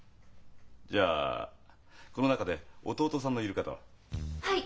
じゃあこの中で弟さんのいる方は？はい。